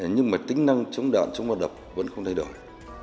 nhưng mà tính năng chống đạn chống va đập vẫn không thay đổi